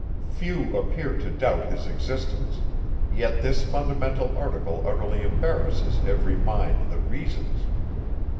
Few appear to doubt his existence; yet this fundamental article utterly embarrasses every mind that reasons.